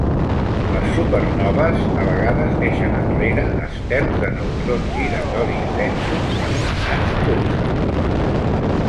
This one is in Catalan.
Les supernoves a vegades deixen enrere estels de neutrons giratoris densos anomenats pulsars.